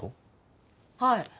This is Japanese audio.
はい。